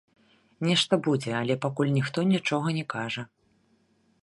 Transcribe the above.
Нешта будзе, але пакуль ніхто нічога не кажа.